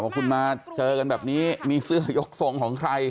คุณมาเจอกันแบบนี้มีเสื้อยกทรงของใคร